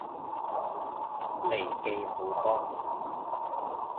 利記好波！